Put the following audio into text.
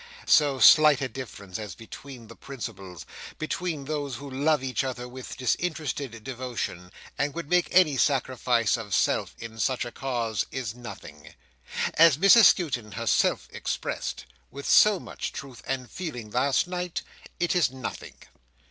So slight a difference, as between the principals—between those who love each other with disinterested devotion, and would make any sacrifice of self in such a cause—is nothing. As Mrs Skewton herself expressed, with so much truth and feeling last night, it is nothing."